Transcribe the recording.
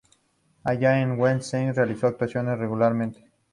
Allá, en el West End, realizó actuaciones regularmente.